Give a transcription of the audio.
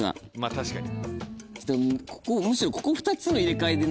確かに。